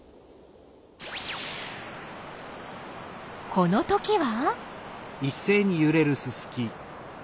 このときは？